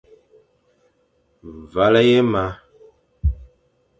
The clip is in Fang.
Vale ye ma.